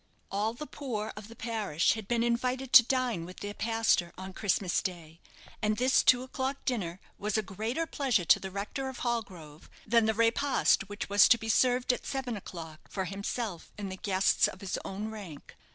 All the poor of the parish had been invited to dine with their pastor on Christmas day, and this two o'clock dinner was a greater pleasure to the rector of Hallgrove than the repast which was to be served at seven o'clock for himself and the guests of his own rank.